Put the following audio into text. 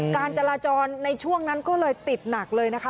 การจราจรในช่วงนั้นก็เลยติดหนักเลยนะคะ